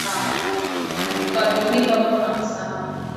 Mu katholika muko ma sanamu